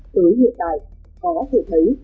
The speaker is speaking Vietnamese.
từ hiện tại có thể thấy